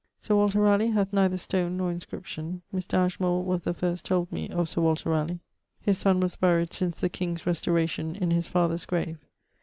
Sir Walter Raleigh hath neither stone nor inscription. Mr. Ashmole was the first told me of Sir Walter Raleigh. His son was buryed since the king's restauration in his father's grave.